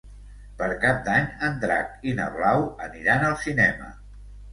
Per Cap d'Any en Drac i na Blau aniran al cinema.